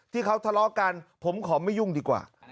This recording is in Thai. ที่เขาทะเลาะกันผมขอไม่ยุ่งดีกว่า